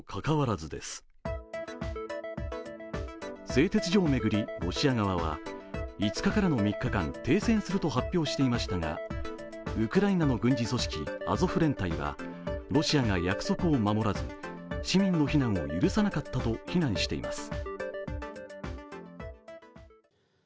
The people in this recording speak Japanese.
製鉄所を巡りロシア側は５日からの３日間、停戦すると発表していましたが、ウクライナの軍事組織・アゾフ連隊はロシアが約束を守らず市民の避難を許さなかったと非難しています。